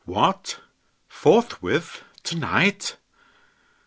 What! forthwith? tonight?